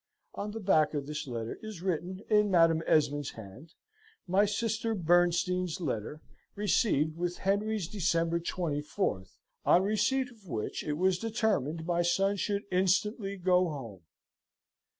On the back of this letter is written, in Madam Esmond's hand, "My sister Bernstein's letter, received with Henry's December 24 on receipt of which it was determined my son should instantly go home."